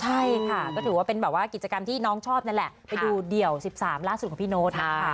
ใช่ค่ะก็ถือว่าเป็นแบบว่ากิจกรรมที่น้องชอบนั่นแหละไปดูเดี่ยว๑๓ล่าสุดของพี่โน๊ตนะคะ